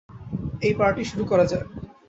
এই পার্টি শুরু করা যাক!